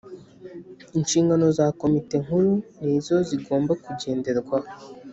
Inshingano za Komite Nkuru nizo zigomba kugenderwaho